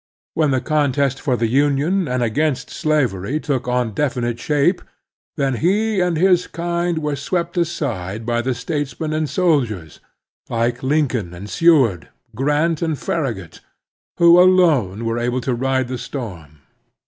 When the contest for the Union and against slavery took on definite shape, then he and his kind were swept aside by the statesmen and soldiers, like Lincoln and Seward, Grant and Farragut, who alone were able to ride the storm.